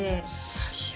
最悪。